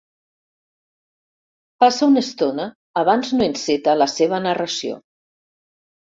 Passa una estona abans no enceta la seva narració.